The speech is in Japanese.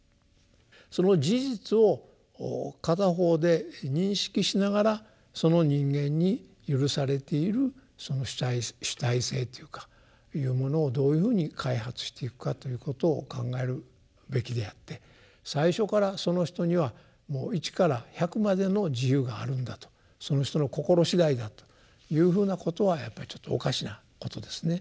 その事実を片方で認識しながらその人間に許されているその主体性っていうかいうものをどういうふうに開発していくかということを考えるべきであって最初からその人にはもう一から百までの自由があるんだとその人の心次第だというふうなことはやっぱりちょっとおかしなことですね。